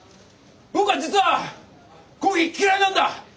僕は実はコーヒー嫌いなんだ！